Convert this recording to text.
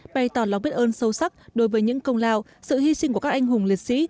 bày tỏ lòng biết ơn sâu sắc đối với những công lao sự hy sinh của các anh hùng liệt sĩ